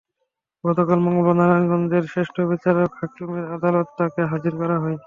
গতকাল মঙ্গলবার নারায়ণগঞ্জের জ্যেষ্ঠ বিচারিক হাকিমের আদালতে তাঁকে হাজির করা হয়।